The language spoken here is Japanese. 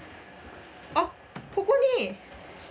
あっここに？